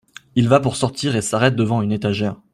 Il va pour sortir et s’arrête devant une étagère.